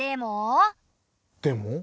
でも。